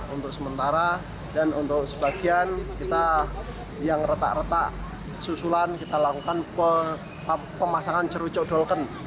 untuk sementara dan untuk sebagian kita yang retak retak susulan kita lakukan pemasangan cerucuk dolken